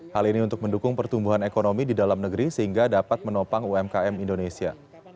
hal ini untuk mendukung pertumbuhan ekonomi di dalam negeri sehingga dapat menopang umkm indonesia